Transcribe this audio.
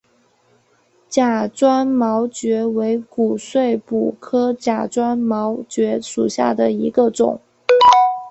假钻毛蕨为骨碎补科假钻毛蕨属下的一个种。